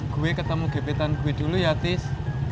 gue ketemu gepetan gue dulu ya tis